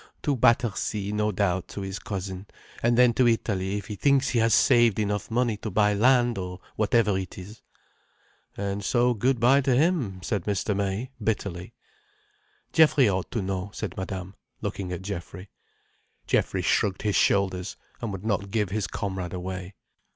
To Battersea, no doubt, to his cousin—and then to Italy, if he thinks he has saved enough money to buy land, or whatever it is." "And so good bye to him," said Mr. May bitterly. "Geoffrey ought to know," said Madame, looking at Geoffrey. Geoffrey shrugged his shoulders, and would not give his comrade away.